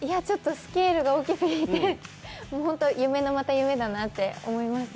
スケールが大きすぎて、夢のまた夢だなって思いました。